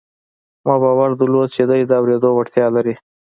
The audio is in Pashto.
ما باور درلود چې دی د اورېدو وړتیا لري